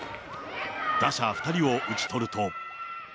打者２人を打ち取ると。